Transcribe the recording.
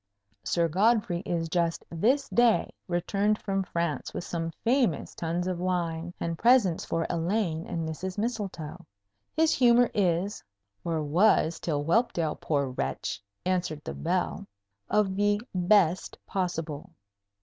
Sir Godfrey is just this day returned from France with some famous tuns of wine, and presents for Elaine and Mrs. Mistletoe. His humour is (or was, till Whelpdale, poor wretch! answered the bell) of the best possible.